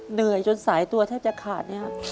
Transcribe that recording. เหนื่อยจนสายตัวแทบจะขาดนะครับ